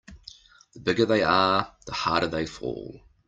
The bigger they are the harder they fall.